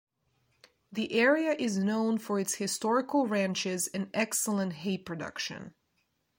The area is known for its historical ranches and excellent hay production.